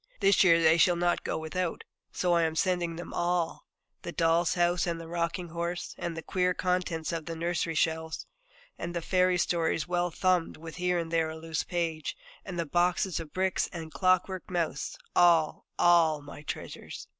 This year they shall not go without; so I am sending them all the doll's house and the rocking horse, and all the queer contents of the nursery shelves, and the fairy stories well thumbed, with here and there a loose page, and the boxes of bricks and the clockwork mouse all, all my treasures.